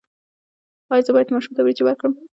ایا زه باید ماشوم ته وریجې ورکړم؟